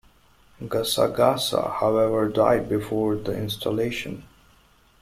Gasagasa, however, died before the installation.